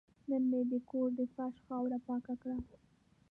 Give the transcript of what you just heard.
نن مې د کور د فرش خاوره پاکه کړه.